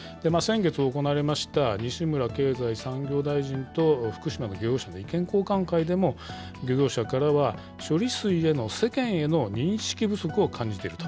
先月行われました西村経済産業大臣と福島の漁業者の意見交換会でも、漁業者からは処理水への世間の認識不足を感じていると。